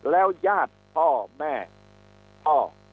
แล้วญาติพ่อแม่พ่อ